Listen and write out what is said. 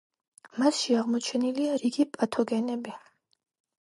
მასში აღმოჩენილია რიგი პათოგენები.